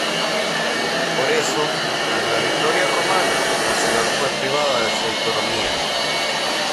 Por eso, tras la victoria romana, la ciudad fue privada de su autonomía.